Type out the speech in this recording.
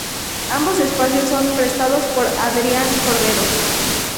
Ambos espacios son presentados por Adrián Cordero.